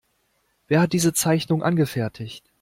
Wer hat diese Zeichnung angefertigt?